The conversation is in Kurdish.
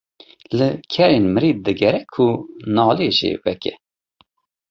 Li kerên mirî digere ku nalê jê veke.